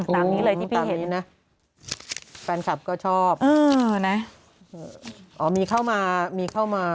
ตามนี้เลยที่พี่เห็นนะแฟนคลับก็ชอบนะอ๋อมีเข้ามามีเข้ามา